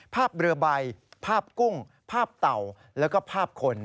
ภาพเรือใบภาพกุ้งภาพเต่าแล้วก็ภาพคน